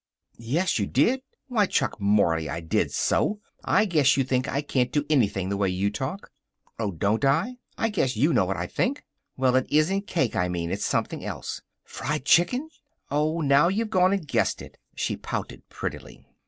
"Yes, you did!" "Why, Chuck Mory, I did so! I guess you think I can't do anything, the way you talk." "Oh, don't I! I guess you know what I think." "Well, it isn't the cake I mean. It's something else." "Fried chicken!" "Oh, now you've gone and guessed it." She pouted prettily.